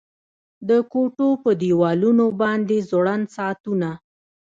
د کوټو په دیوالونو باندې ځوړند ساعتونه